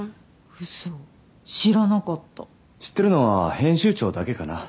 ウソ知らなかった知ってるのは編集長だけかな